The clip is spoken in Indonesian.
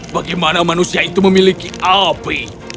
bagaimana manusia itu memiliki api